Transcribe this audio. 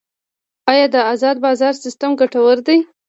آیا د ازاد بازار سیستم ګټور دی؟